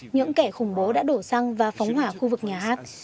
những kẻ khủng bố đã đổ xăng và phóng hỏa khu vực nhà hát